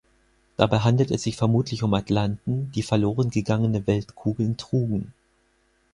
Dabei handelt es sich vermutlich um Atlanten, die verloren gegangene Weltkugeln trugen.